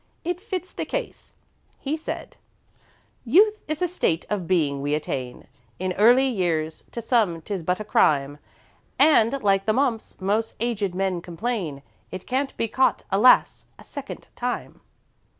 It fits the case. He said: "'Youth is a state of being we attain In early years; to some 'tis but a crime And, like the mumps, most agèd men complain, It can't be caught, alas! a second time."'